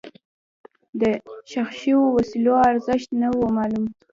د ښخ شوو وسلو ارزښت نه و معلوم.